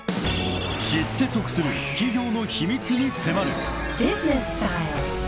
［知って得する企業の秘密に迫る］